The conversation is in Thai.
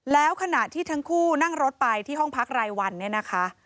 แล้วขณะที่ทั้งคู่นั่งรถไปที่ห้องพักรายวันเนี่ยนะคะ